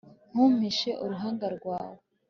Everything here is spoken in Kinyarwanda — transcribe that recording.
ntumpishe uruhanga rwawe